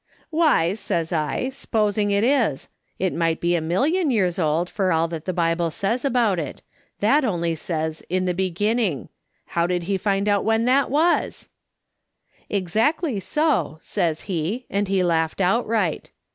"' Why,' says I, ' s'posing it is ? It might be a million years old, for all that the Bible says about it; that only says in the beginning. How did he find out when that was T "' Exactly so,' says he, and he laughed outright.